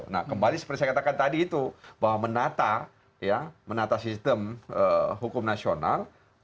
nah kembali seperti saya katakan tadi itu bahwa menata ya menata sistem hukum nasional